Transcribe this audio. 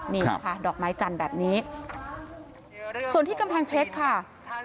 นี่ค่ะดอกไม้จันทร์แบบนี้ส่วนที่กำแพงเพชรค่ะ